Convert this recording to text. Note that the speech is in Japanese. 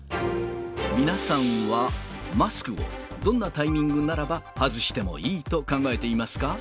皆さんはマスクをどんなタイミングならば外してもいいと考えていますか。